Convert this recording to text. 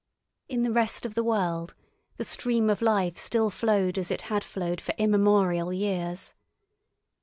In the rest of the world the stream of life still flowed as it had flowed for immemorial years.